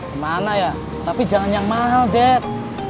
kemana ya tapi jangan yang mahal det